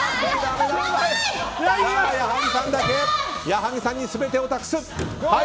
矢作さんに全てを託す！